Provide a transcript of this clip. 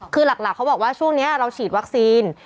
คือหลักเขาบอกว่าช่วงนี้เราฉีดวัคซีน